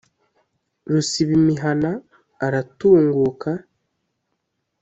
rusibamihana aratunguka.